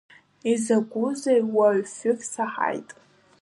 Изакәызеи уаҩ фҩык саҳауеит?